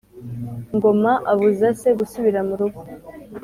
Ngoma abuza se gusubira murugo